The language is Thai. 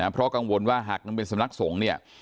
เพราะกังวลว่าหากนำเป็นสำนักสงฆ์เนี่ย